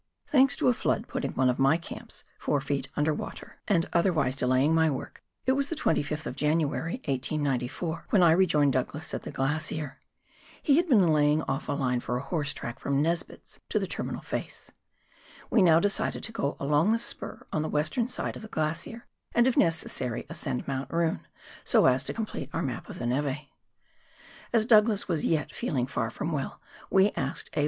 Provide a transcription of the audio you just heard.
Thanks to a flood putting one of my camps four feet under WAIHO RIVER — THE HIGH COUNTRY, 69 water, and otherwise delaying my work, it was the 2oth of January, 1894, when I rejoined Douglas at the glacier. He had been laying off a line for a horse track from Nesbitt's to the terminal face. We now decided to go along the spur on the western side of the glacier, and if necessary ascend Mount Roon, so as to com plete our map of the neve. As Douglas was yet feeling far from well, we asked A.